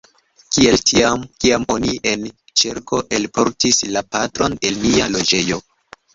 Kiel tiam, kiam oni en ĉerko elportis la patron el nia loĝejo.